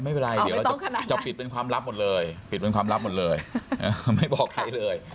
ไม่เป็นไรเดี๋ยวจะปิดเป็นความลับหมดเลยไม่บอกใครเลย